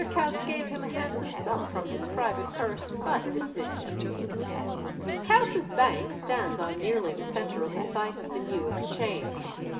Coutts gave him a handsome sum from his private purse, but dismissed him. Coutts's Bank stands on nearly the centre of the site of the "New Exchange."